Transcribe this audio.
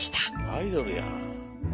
アイドルや。